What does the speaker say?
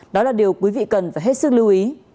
đó là điều quý vị cần phải hết sức lưu ý